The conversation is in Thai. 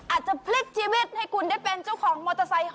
อาจจะพลิกชีวิตให้คุณได้เป็นเจ้าของมอเตอร์ไซค์